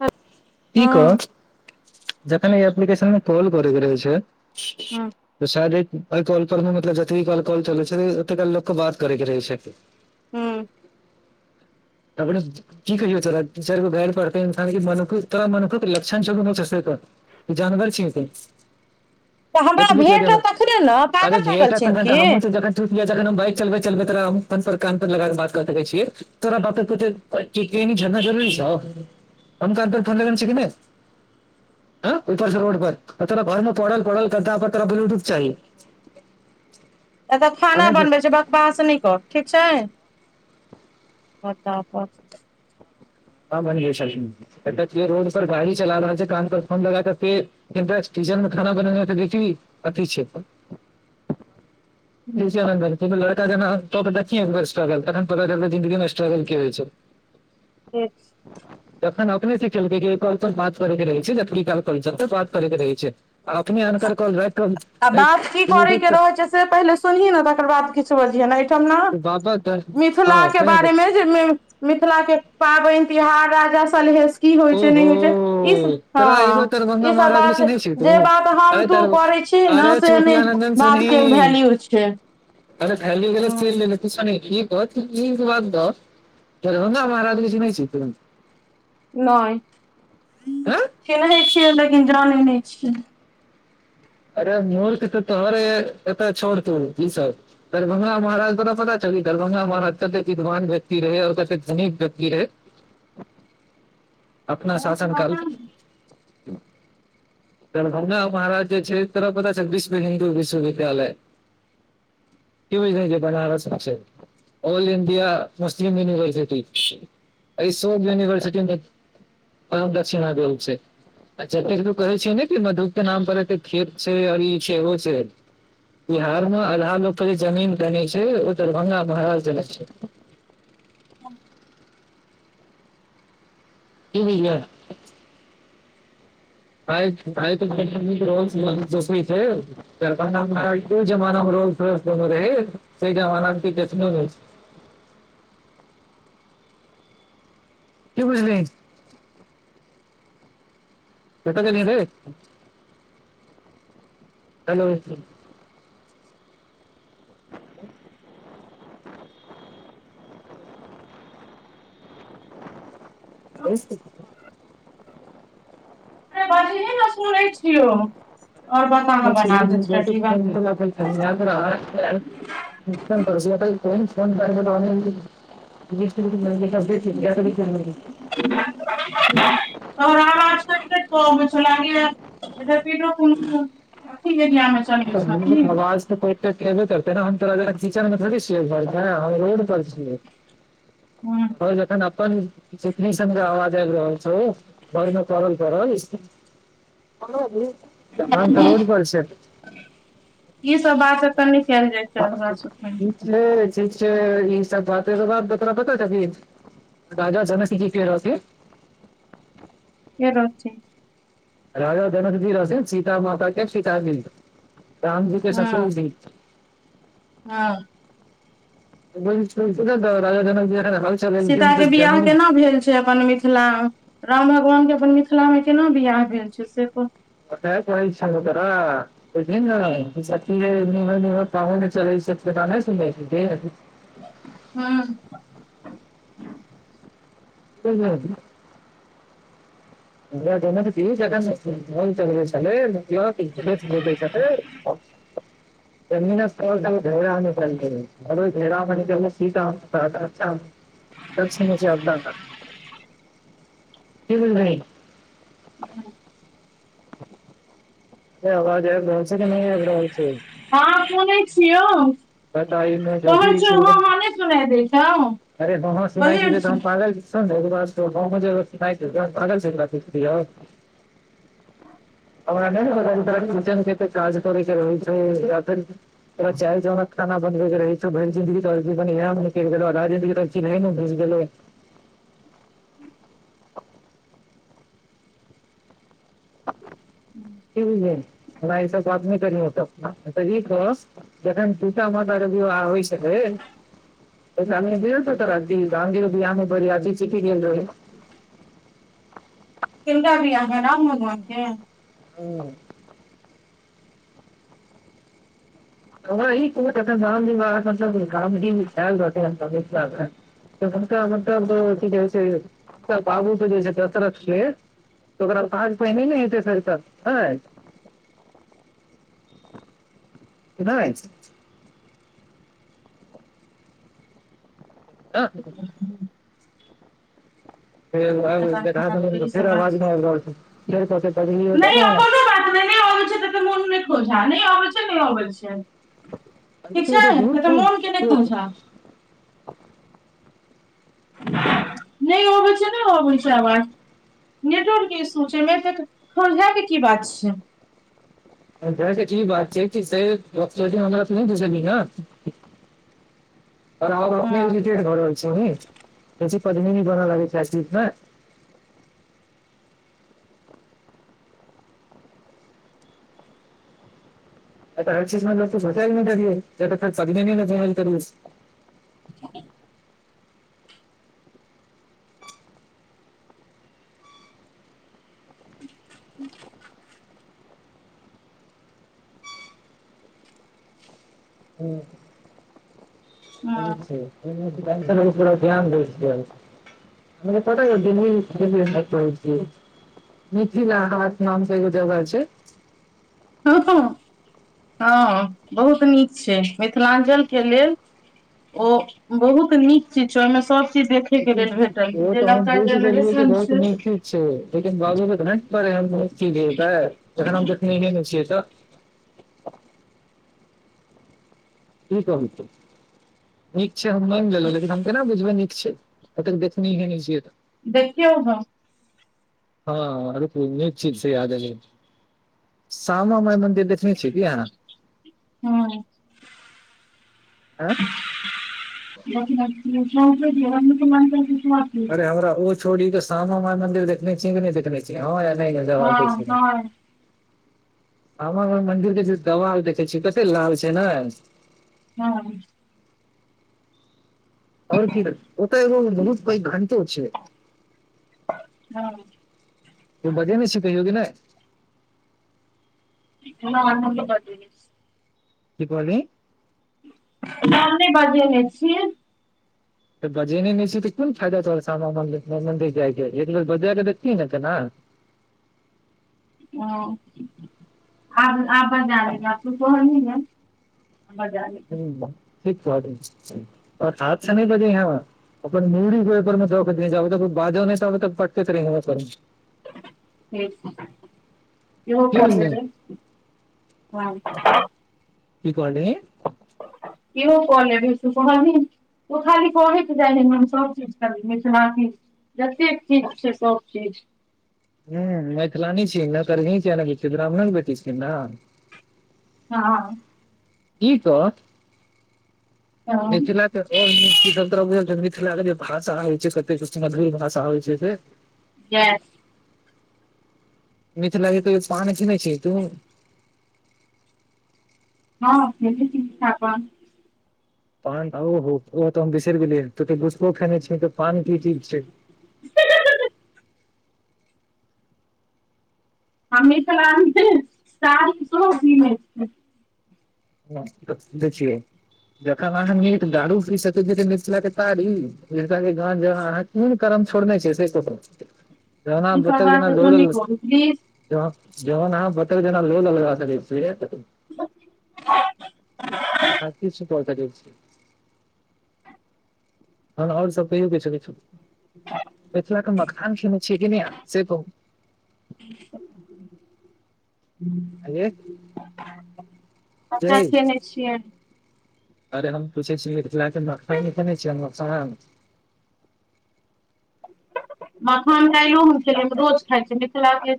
हँ की कह जखन ई एप्लीकेशन मे कॉल करके रहे हँ छै शायद एहि कॉल पर मे मतलब जतबी कॉल कॉल चलै छै ओते काल लोकके बात करऽ के रहै छै हूँ त अपने [unintelligible] की कहियो तोरा तीन- चारि गो गायर पड़तै तोरा मनुखक लक्षण छौ की नै से कह जानवर छिहि तु तऽ हमरा एत भी क द भेटत तखने अरे भ तखन त हम जखन जखन हम बाइक चलबैत चलबैत हम पर कान पर लगाक बात सक छिय तोरा ब झरना जरूरी छौ हम कान पर फोन लगने छियै कि नहि ह ऊपर से रोड पर तोरा घरमे पल पल कर तोरा ब्लूटूथ चाही एतऽ खाना चाही बनबै छियै बकबास नै कर ठीक छै फटाफट हँ बनिय रोड पर गाड़ी चला रह रहल छै कान पर फोन लगा करके किचन खाना बन देखी अति छै लड़का जेना कऽ के देखहीं स्ट्रगल तखन पता चलतौ स्ट्रगल स्ट्रगल की होइ छै ठीक तखन अपने सिखेलकै कॉल पर बात करे के रहै छै जब क कल बात करे के रहै छै अपने अनकर कॉल राइख कऽ आ बात की करयके रहै छै से पहिले सुनही ने तकर बाद किछ बजिहेन तब न बाबा तऽ मिथिला हँ के कहि दे बारे मे मिथिला के पाबनि तिहार राजा सलहेश्व ओहो तोरा एकगो ई दरभंगा सब महाराज के बात चिन्है छी तुं जे बात हम अरे दर तू करै छी ने अरे से नहि चुतियानन्दन बात के सुनही वैल्यू छै अरे थैली गेलय हँ तेल लेबय सुनही इ बाद कह दरभंगा महाराज के चिन्है छीहीं तुं नै हँ फेरय छियै लेकिन जानै नै छियै अरे मूर्ख तऽ तहरे एत छोड़ते ई दरभंगा महाराज तोरा पता छौ कि दरभङंगा महाराज कतेक विद्वान व्यक्ति रहै आओर कते धनीक व्यकि रहै [unintelligible] अपना शासन काल दरभंगा महाराज के छै तोरा पता छौ विश्व हिन्दू विश्वविद्यालय की बुझ लिहि जे बनारसमे छै ऑल इंडिया मुस्लिम यूनिवर्सिटी एहिसो यूनिवर्सिटी मे परम दक्षिणा देल छै आ जतेक तू कहे छियै ने कि मधु के नाम पर एतेक खेत छै आ इ छै ओ छै बिहार म आधा लोक के जे जमीन देने छै ओ दरभंगा महाराज देने छै [unintelligible] कि होयऽ आ [unintelligible] आ तऽ जोसमी के दरभंगा महाराज उ जमानामे रोल्स- रॉयस लेने रहै जै जमानामे कियो देखने नै छै की बुझलिही कतऽ गेलहिं रै हेलो [unintelligible] हस अरे बाजही ने सुनै छियौ ओर बताहाँ बना देत टटिबा कोन फोन कर त लिस्ट भ सुे के क की खरे [inaudible] त रामा [inaudible] पमेै लगे ए फे [inaudible] त आवाज कहबे करतै ने हम तोरा [inaudible] सचन मेथ छियै रोड पर छियै हँ जखन अपन जीवनी सब के आवाज आबि रहल छै घरमे कबल [inaudible] कर करड प छै ई सब बात एतऽ नै कएल जाइत छै हमरा स रै ठीक छै ई सब बाते तोरा पता छऽ की राजा जनक जी के रहथिन इर छै। राजा जनकजीर से सीता माता के सीतााबिन्दु ताम जे कस हँ भी [inaudible] हँ ब ने तऽ राजा झाना [inaudible] सीता के बिवाह केना भेल छै अपन मिथिला राम भगवान के अपन मिथिला मे केना बियाह भेल छै से क कत को इ्छा हो तरा त ज सा [unintelligible] हां ह ह राजा जनक जी जखन हल चलबै छलै य ह बदै छथि त त ने [unintelligible] घरो झ म [unintelligible] सीख छै ह रही ह से आवाज आइब रहल छै कि नहि आइब रहल छै हँ सुनै छियौ प तइमे जोस सुनाय द छ अरे तँ सुनै छी जे त हम पागल छियै [unintelligible] [unintelligible] तोरा चाइर जोनक खाना बनबै के रहै छौ भरि जीन्दीगी बन दीह गेल राजनी तऽ चिहै ने घुस गेलो ह हँ ठ भझ मरा एहिस [inaudible] बात्मी करी होतऽ ई जखन सीता माता के विवाह होइ छलै त दर त अधी गाँंगी भी आ बड़ी अदी चिटी गेल रही किनका वियाह राम भगवानके ह ह ई क सी ब कामी चाल रोटे अ बत अक अक ओजस बाबू के जे दशरखे त ओकरा कहाज पहिने ने हेते सरिस ह कीनहि ह हँ [inaudible] [inaudible] फेर ई फेर सब आवाज ने आ रहल छै फेर नहि पने कोनो बात नहि नहि आबे छै त तऽ मोन नहि खोझा नहि आबे छै त नहि आबे छै ठीक नहि छै एते ए तऽ मन के नहि दूर खउझा नहि अबै छै नहि अबै छै अवाज नेटवर्क के इसू छै खउझै के की बात छै [inaudible] अचछी बात छै किस भी ह [unintelligible] आर अपनेे हँ घर रहल छी पदमीनी बन लागे छै मे तऽ अरचीस मल तू सचल नहि त तऽ ख पदने नहि त ह [inaudible] ह [inaudible] ह हँ अचछा न ध्यान द प डै [unintelligible] मिथिल हाट नाम के एगो जगह छै हं हं बहुत नीक छै मिथिलांचल के लेल ओ बहुत नीक चीज छै ओहिमें सब चीज देख तऽ हम बुझ गेलियै जे बहुत छै नीक चीज छै लेकिन बाबू नहि जखन हम देखने ही न छियै तऽ की कहू नीक छै हम मनि गेलहुँ लेकिन हम केना बुझबै नीक छै आइ तक देखने है न छिय तऽ देखियौ हम हँ निक चिज से याद एलय श्यामा माइ मन्दिर देखने छियै कि हां आँ देख जरी मान कि [unintelligible] अरे हमरा ओ छोड़ीे श्यामा माइ मंन्दिर देखने छिय कि नहि देखने छी हँ या नहि में जवाब दै हँ छ हँ श्यामा मंन्दिर के जे दिवाल देखै छियै कते लाल छै ने हँ ओर कि ओ तऽ एो बहुत पैघ घंटो छै उ वजेने छियै कहियो कि नहि नहि हम त बजे ने छियै की कहली हम नै बजेने छि त बजे नहि छि तऽ कोन फायदा तोहर‌ श्यामा मन्दिर जाइ के एक बेर बजा के देखति ने तना हाँ आ आब बजा लेबय आब तू कहली ना त बजा य ह ठीक बाद हाथ से नहि बजे हैं अपन मुरी को उपर में वखत न आब त बाजो नहि ताबे तऽ पटते तर ठीक छै इ हो की कर बुझलिही लेबैय कि कहलि कियो क ले भी सु कहबी तू खाली कहेके जाइ छै हम सब चीज कर मिथिल जतेक चीज छै सब चीज ह मैथिलानी छिय ने ती ब्राह्मणे बेटी छिय ने हँ कि त हँ मिथिला ओहनी तोरा बुझल छ मिथिलाँ क के जे भाषा होइ छै कत मधुर भाषा होइ छै से ग मिथिला के कहयो पान खने छी तू हँ फ ठीकठ क पान ओहो ओत हम बिसर गेलियै तो गुसको खेने छी त पान की चीज छै ठाक मिथला के सरसो कीने छिये ह दै छियै जखन अहाँ नीट दारू पी सकै छी मिथिला के तारी मिथिला के गांजा अहाँ कौन करम छोड़ने छै से कहुँ जेना ई अब सब बात जेना एतऽ ल नहि कहू प्लीज ज जाँ बटर जेना लो लगा ब आहा किछ क‌ सकै छी ह ओर सब कहियौ किछो किछ मिथिला के मखान खने छियै क ने से कहू [unintelligible] अरे कते यै खेने छिय अरे हम पुछै छियैने छ मखान तइयो हम खेले रोज खाई छी मिथिलाके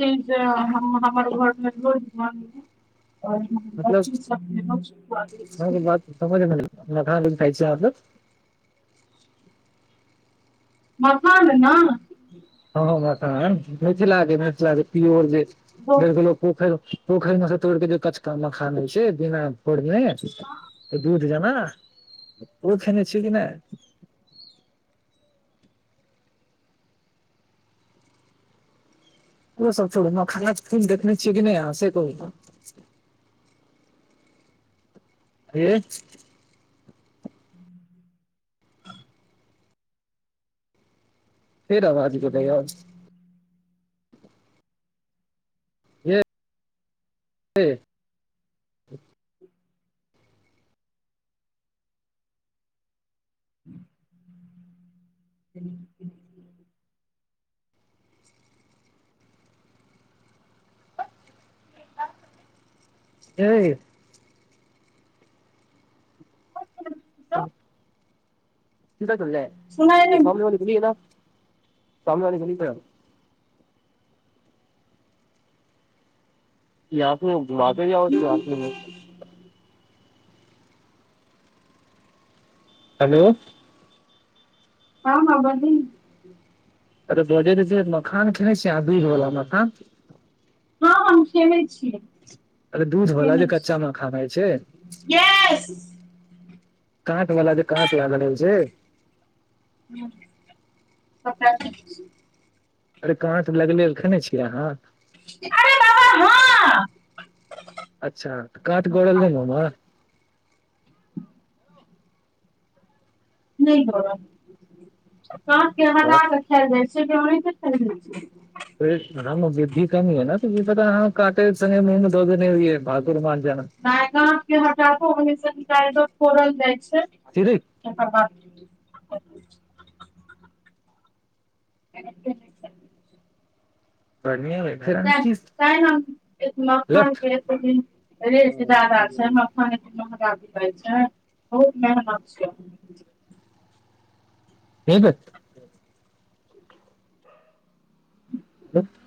चीज हम हमर घर मे रोज म मतलब हैर सब अहाँके [unintelligible] बात समझ खान ली खाइ छीह मखान हय हँ मिचला चला पर जे ढ़ो पोखर पोखरिमे तोड़ देलिय कचका [unintelligible] कफोरने का मखान होइ छै बिना जाना ओ खने छिय कि नै ओ सब छरू मखाना के फिल्म देखने छियै कि नहि से कहू त हे [inaudible] [inaudible] फेर अवाज गेलेए है [inaudible] ए तब सुनाइ नहि [unintelligible] [unintelligible] हेलो ह ह बहिन अरे बजे छै मखान खेनाइ छै आदूधवला मखान हँ हम खेने छिय अरे दूध वाला जे कच्चा मखान है छै यस सबटा काँठ वला जे काँस लानल रहे छै [unintelligible] अरे काँट लगले ल खेने छियै अहाँ अरे बाबा हँ अच्छा काँट गोड़ल नै मुँह नहि में नहि गड़ल काँट के वाह, हटा क खाएल जाइ छै ओहि के खाएल जाए छै त रंग बुद्धि कम ह ने तु पता काटे संगे मुँह में दो देने हइै भाकुर मान जना ना काँट के हटाको ओहने से निकाल क फोड़ल जाय छै कथीरे एकर बात [unintelligible] बढ़िये रहे तै काल्हि हम एक मखान लेफ्ट के एत्तैके रेट जादा छै तहन एत्तेक महंगा भेटै छै बहुत मेहनत छियै हे बै [inaudible]